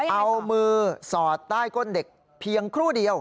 เอามือสอดใต้ก้นเด็กเพียงครู่เดียว